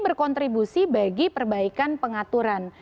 berkontribusi bagi perbaikan pengaturan